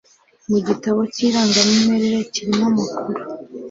mu gitabo cy irangamimerere kirimo amakuru